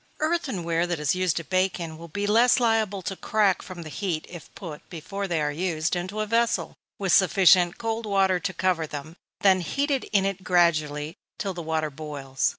_ Earthen ware that is used to bake in, will be less liable to crack from the heat if put, before they are used, into a vessel, with sufficient cold water to cover them, then heated in it gradually, till the water boils.